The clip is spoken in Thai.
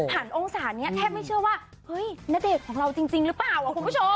ผ่านองศานี้แทบไม่เชื่อว่านเดชของเราจริงหรือเปล่าอ่ะคุณผู้ชม